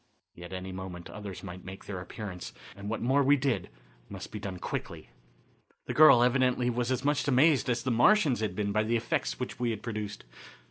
Yet at any moment others might make their appearance, and what more we did must be done quickly. The girl evidently was as much amazed as the Martians had been by the effects which we had produced.